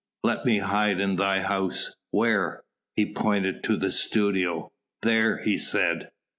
"Let me hide in thy house...." "Where?" He pointed to the studio. "There!" he said.